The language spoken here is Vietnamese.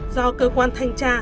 do cơ quan thanh tra